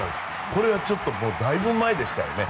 これはちょっとだいぶ前でしたよね。